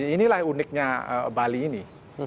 inilah uniknya bali ini